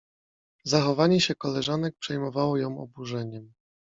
Zachowanie się koleżanek przejmowało ją oburzeniem.